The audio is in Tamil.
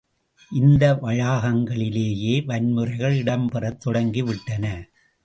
இந்த வளாகங்களிலேயே வன்முறைகள் இடம்பெறத் தொடங்கிவிட்டன.